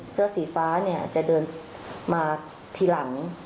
เสื้อสีฟ้าเนี่ยจะเดินมาทีหลัง